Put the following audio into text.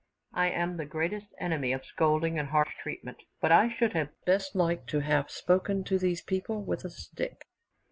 I am the greatest enemy of scolding and harsh treatment; but I should have best liked to have spoken to these people with a stick.